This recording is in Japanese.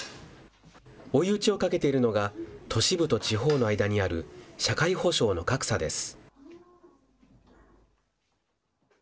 追い打ちをかけているのが、都市部と地方の間にある社会保障の格差です。